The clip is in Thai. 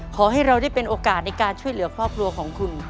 ขอให้เราได้เป็นโอกาสในการช่วยเหลือครอบครัวของคุณ